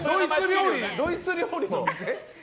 ドイツ料理のお店？